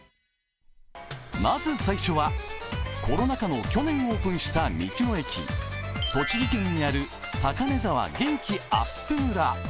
まず最初は、コロナ禍の去年オープンした道の駅栃木県にあるたかねざわ元気あっぷむら。